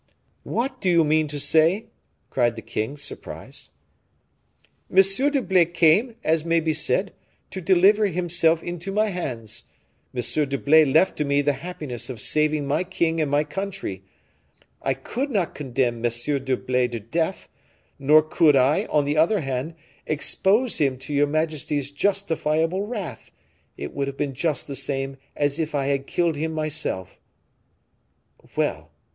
"What do you mean to say?" cried the king, surprised. "M. d'Herblay came, as may be said, to deliver himself into my hands. M. d'Herblay left to me the happiness of saving my king and my country. I could not condemn M. d'Herblay to death; nor could I, on the other hand, expose him to your majesty's justifiable wrath; it would have been just the same as if I had killed him myself." "Well!